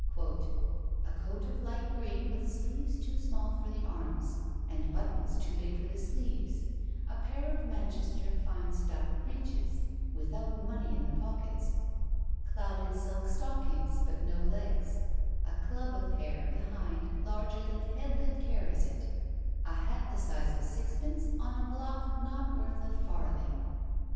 "A coat of light green, with sleeves too small for the arms, and buttons too big for the sleeves; a pair of Manchester fine stuff breeches, without money in the pockets; clouded silk stockings, but no legs; a club of hair behind larger than the head that carries it; a hat of the size of sixpence on a block not worth a farthing."